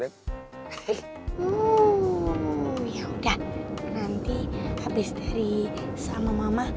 oh yaudah nanti habis dari sama mama